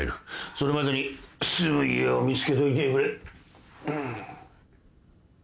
それまでに住む家を見つけといてくれ。